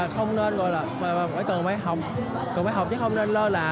không nên gọi là phải cần phải học cần phải học chứ không nên lơ là